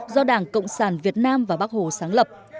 do đảng cộng sản việt nam và bắc hồ sáng lập